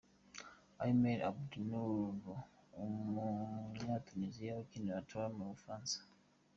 Aymen Abdennour, umunyatuniziya ukinira Toulouse mu Bufaransa.